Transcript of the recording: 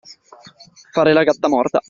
Fare la gattamorta.